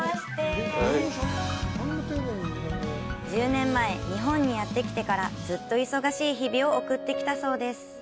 １０年前、日本にやってきてからずっと忙しい日々を送ってきたそうです。